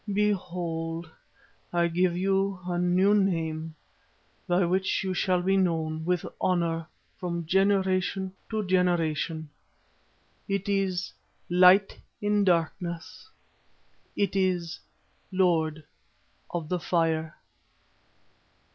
Behold! I give you a new name, by which you shall be known with honour from generation to generation. It is 'Light in Darkness.' It is 'Lord of the Fire.